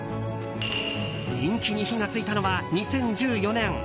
人気に火が付いたのは２０１４年。